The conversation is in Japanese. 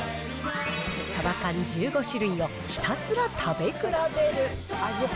サバ缶１５種類をひたすら食べ比べる。